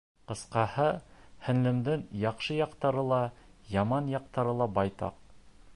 Ҡыҫҡаһы, һеңлемдең яҡшы яҡтары ла, яман яҡтары ла байтаҡ.